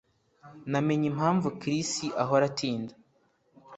Namenye impamvu Chris ahora atinda